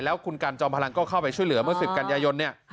แล้วคุณกันจอมพลังก็เข้าไปช่วยเหลือเมื่อ๑๐กันยายนเนี่ย